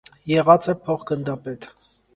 Եղած է փոխգնդապետ։